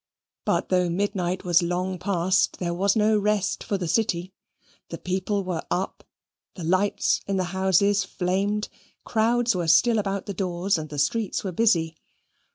But though midnight was long passed, there was no rest for the city; the people were up, the lights in the houses flamed, crowds were still about the doors, and the streets were busy.